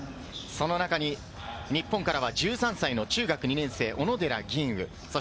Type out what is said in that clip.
その中で日本からは１３歳の中学２年生・小野寺吟雲。